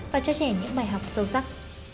và cho trẻ những bài học sâu sắc